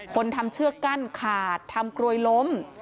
คนทำเชือกกั้นขาดทำกลวยล้ม